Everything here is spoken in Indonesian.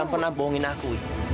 kamu jangan pernah bohongin aku